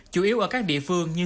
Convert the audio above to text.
chủ yếu ở các địa phương như